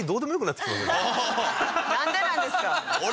なんでなんですか？